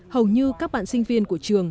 hầu như các bạn sinh viên của trường